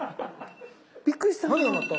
びっくりした。